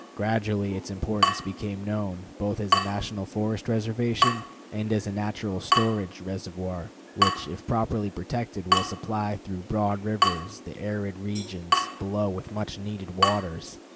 Gradually its importance became known, both as a national forest reservation and as a natural storage reservoir, which, if properly protected, will supply through broad rivers the arid regions below with much needed waters.